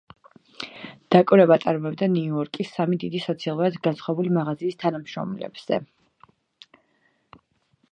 დაკვირვება წარმოებდა ნიუ-იორკის სამი დიდი, სოციალურად განსხვავებული მაღაზიის თანამშრომლებზე.